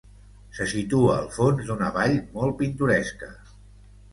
Se situa al fons d'una vall molt pintoresca.